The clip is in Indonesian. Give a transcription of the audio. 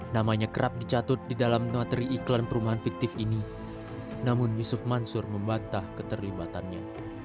namanya kerap dicatut di dalam materi iklan perumahan fiktif ini namun yusuf mansur membantah keterlibatannya